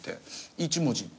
１文字で？